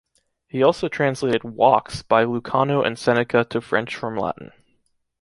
He also translated woks by Lucano and Seneca to French from Latin.